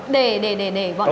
để để để để bọn em